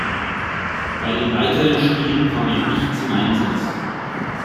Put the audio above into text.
Bei den weiteren Spielen kam er nicht zum Einsatz.